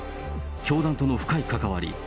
教団との深い関わり。